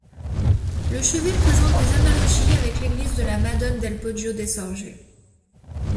Le chevet présente des analogies avec l'église de la Madone del Poggio de Saorge.